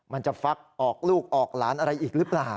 มันจะฟักออกลูกออกหลานอะไรอีกหรือเปล่า